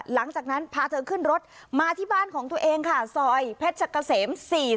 หลังจากนั้นพาเธอขึ้นรถมาที่บ้านของตัวเองค่ะซอยเพชรกะเสม๔๔